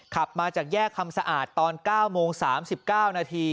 ขับมาจากแยกคำสะอาดตอน๙โมง๓๙นาที